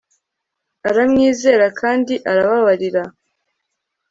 aramwizera kandi arababarira